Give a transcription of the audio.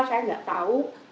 saya gak tahu